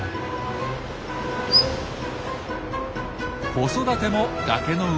子育ても崖の上。